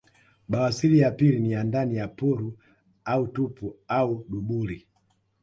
Bawasili ya pili ni ya ndani ya puru au tupu au duburi